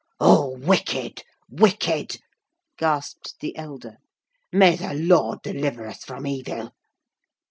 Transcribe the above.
"Oh, wicked, wicked!" gasped the elder; "may the Lord deliver us from evil!"